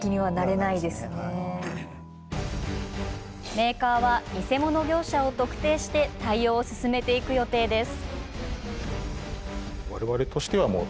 メーカーは偽物業者を特定し対応を進めていく予定です。